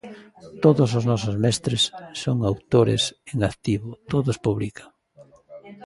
Todos os nosos mestres son autores en activo, todos publican.